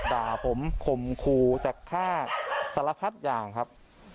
ด่าผมข่มขู่จะฆ่าสารพัดอย่างครับ